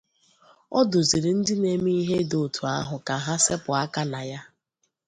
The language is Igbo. Ọ dụzịrị ndị na-eme ihe dị otu ahụ ka ha sepụ aka na ya